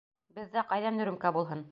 Беҙҙә ҡайҙан рюмка булһын?